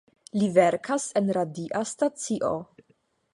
Li verkas en radia stacio.